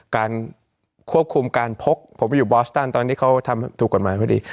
การควบคุมการพกผมไปอยู่บอสตันตอนนี้เขาทำถูกกฎหมายพอดี